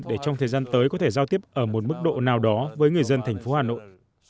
để trong thời gian tới có thể giao tiếp ở một mức độ nào đó với người dân thành phố hà nội